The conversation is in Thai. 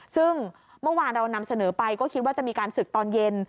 ซึ่งเมื่อวานเรานำเสนอไปก็คิดว่าจะมีการศึกตอนเย็น